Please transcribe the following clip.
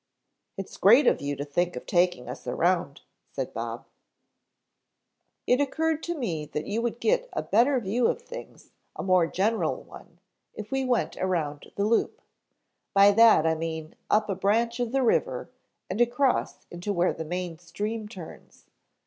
"Its great of you to think of taking us around," said Bob. "It occurred to me that you would get a better view of things, a more general one, if we went around the loop. By that I mean up a branch of the river and across into where the main stream turns.